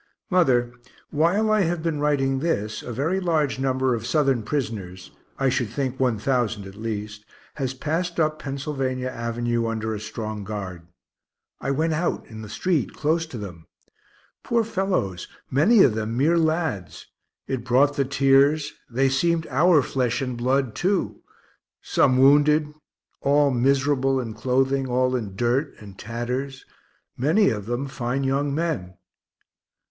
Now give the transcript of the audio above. Mother, while I have been writing this a very large number of Southern prisoners, I should think 1,000 at least, has past up Pennsylvania avenue, under a strong guard. I went out in the street, close to them. Poor fellows, many of them mere lads it brought the tears; they seemed our flesh and blood too, some wounded, all miserable in clothing, all in dirt and tatters many of them fine young men.